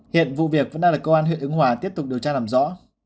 hiện vụ việc vẫn đang là cơ quan huyện ứng hòa tiếp tục điều tra làm rõ